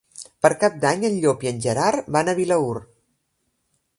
Per Cap d'Any en Llop i en Gerard van a Vilaür.